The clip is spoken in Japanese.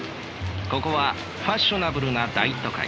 ここはファッショナブルな大都会。